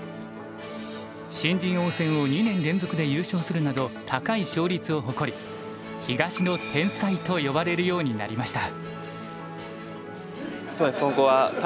新人王戦を２年連続で優勝するなど高い勝率を誇り東の天才と呼ばれるようになりました。